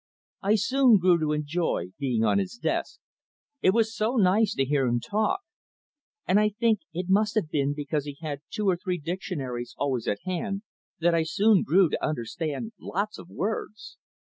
I soon grew to enjoy being on his desk. It was so nice to hear him talk! And I think it must have been because he had two or three dictionaries always at hand that I soon grew to understand lots of words.